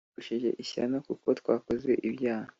Tugushije ishyano kuko twakoze ibyaha!